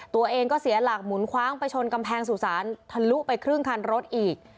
ตัวเองก็เสียหลักหมุนคว้างไปชนกำแพงสุสานทะลุไปครึ่งคันรถอีก